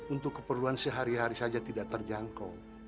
untuk keperluan sehari hari saja tidak terjangkau